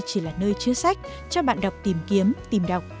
chỉ là nơi chứa sách cho bạn đọc tìm kiếm tìm đọc